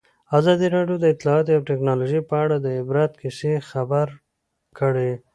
ازادي راډیو د اطلاعاتی تکنالوژي په اړه د عبرت کیسې خبر کړي.